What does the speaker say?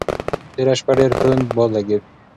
تېره شپه ډېر توند باد لګېده.